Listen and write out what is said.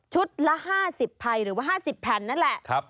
ละ๕๐ไพรหรือว่า๕๐แผ่นนั่นแหละ